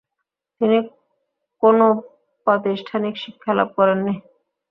তিনি কোন প্রাতিষ্ঠানিক শিক্ষা লাভ করেননি।